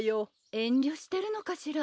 遠慮してるのかしら。